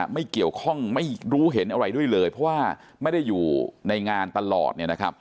ไม่เกี่ยวข้องไม่รู้เห็นอะไรด้วยเลยเพราะว่าไม่ได้อยู่ในงานตลอด